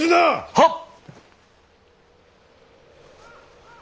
はっ！